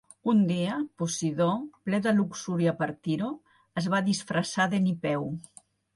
Un dia, Posidó, ple de luxúria per Tiro, es va disfressar d'Enipeu.